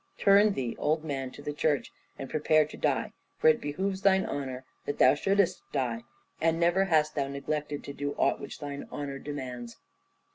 Turn thee, old man, to the Church, and prepare to die, for it behoves thine honour that thou shouldest die, and never hast thou neglected to do aught which thine honour demands."